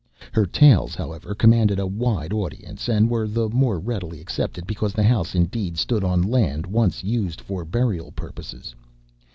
Her tales, however, commanded a wide audience, and were the more readily accepted because the house indeed stood on land once used for burial purposes.